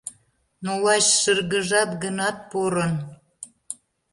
Но лач шыргыжат гынат порын